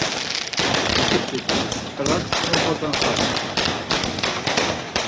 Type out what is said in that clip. İǩitxit, ç̌arak mu oxotzonapams?